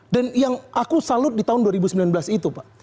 dan yang aku salut di tahun dua ribu sembilan belas itu pak